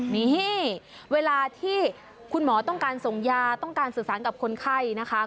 นี่เวลาที่คุณหมอต้องการส่งยาต้องการสื่อสารกับคนไข้นะคะ